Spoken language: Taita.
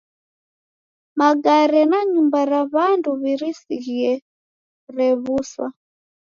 Magare na nyumba ra w'andu w'irisighie rew'uswa.